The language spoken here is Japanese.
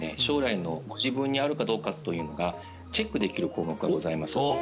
将来のご自分にあるかどうかというのがチェックできる項目がございます